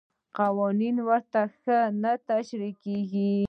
قوانین ورته ښه نه تشریح کېږي.